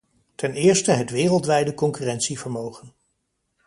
Ten eerste het wereldwijde concurrentievermogen.